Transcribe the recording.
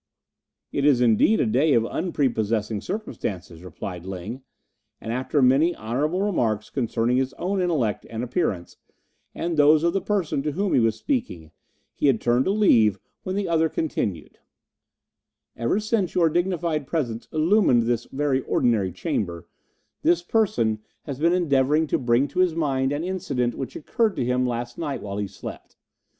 "It is indeed a day of unprepossessing circumstances," replied Ling, and after many honourable remarks concerning his own intellect and appearance, and those of the person to whom he was speaking, he had turned to leave when the other continued: "Ever since your dignified presence illumined this very ordinary chamber, this person has been endeavouring to bring to his mind an incident which occurred to him last night while he slept.